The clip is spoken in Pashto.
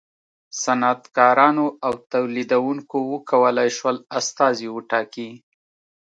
صنعتکارانو او تولیدوونکو و کولای شول استازي وټاکي.